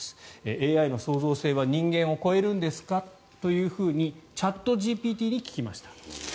ＡＩの創造性は、人間を超えるんですかというふうにチャットＧＰＴに聞きました。